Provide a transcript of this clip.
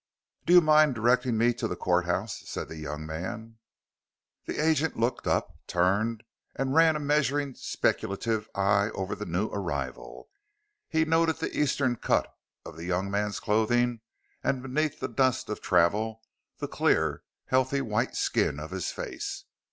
"Do you mind directing me to the courthouse?" said the young man. The agent looked up, turned, and ran a measuring, speculative eye over the new arrival. He noted the Eastern cut of the young man's clothing and beneath the dust of travel the clear, healthy white skin of his face.